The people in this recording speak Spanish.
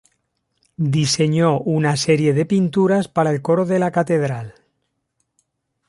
Diseñó una serie de pinturas para el coro de la catedral.